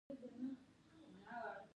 شریعت یار او بریالي هلمند یې پوښتنه کوله.